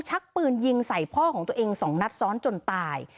ชักปืนยิงใส่พ่อของตัวเองสองนัดซ้อนจนตาย